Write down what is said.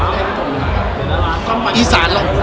ไม่รู้นะครับ